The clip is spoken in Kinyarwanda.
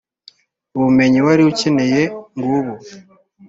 Ubumenyi wari ukeneye ngubu